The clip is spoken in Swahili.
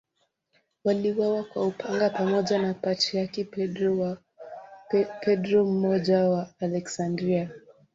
Waliuawa kwa upanga pamoja na Patriarki Petro I wa Aleksandria.